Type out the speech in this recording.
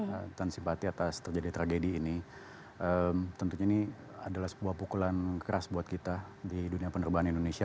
ya dan simpati atas terjadi tragedi ini tentunya ini adalah sebuah pukulan keras buat kita di dunia penerbangan indonesia